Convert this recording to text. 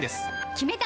決めた！